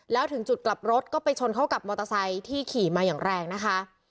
แล้วถึงจุดกลับรถก็ไปชนเข้ากับมอเตอร์ไซค์ที่ขี่มาอย่างแรงนะคะ